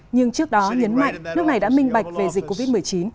nhưng trước đó nhấn mạnh nước này đã minh bạch về dịch covid một mươi chín